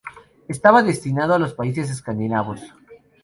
Estaba destinado a los países escandinavos.